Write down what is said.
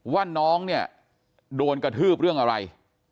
ว่าน้องเนี่ยโดนกระทืบเรื่องอะไร